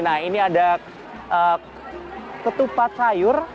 nah ini ada ketupat sayur